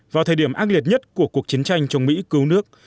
vào thời điểm ác liệt nhất của cuộc chiến tranh chống mỹ cứu nước